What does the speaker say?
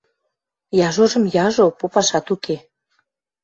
— Яжожым яжо — попашат уке.